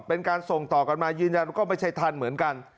เป็นการส่งต่อกันมายืนยันก็ไม่ใช่ท่านเหมือนกัน